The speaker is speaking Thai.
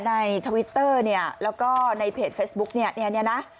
ทวิตเตอร์เนี่ยแล้วก็ในเพจเฟซบุ๊กเนี่ยเนี่ยนะ